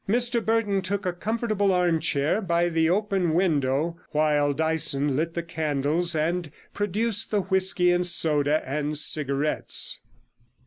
Mr Burton took a comfortable arm chair by the open window, while Dyson lit the candles and produced the whisky and soda and cigarettes.